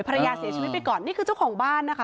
ภรรยาเสียชีวิตไปก่อนนี่คือเจ้าของบ้านนะคะ